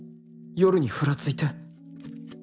夜にふらついて